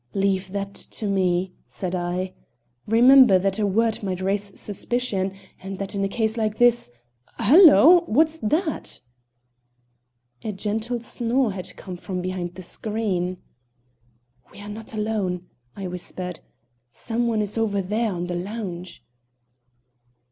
"Leave that to me," said I. "Remember that a word might raise suspicion, and that in a case like this Halloo, what's that?" A gentle snore had come from behind the screen. "We are not alone," I whispered. "Some one is over there on the lounge."